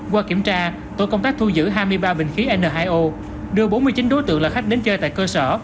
qua kiểm tra tổ công tác thu giữ hai mươi ba bình khí n hai o đưa bốn mươi chín đối tượng là khách đến chơi tại cơ sở